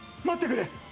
待ってくれ。